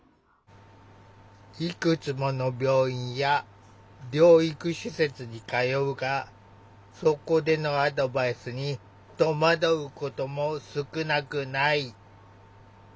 いくつもの病院や療育施設に通うがそこでのアドバイスにとまどうことも少なくない。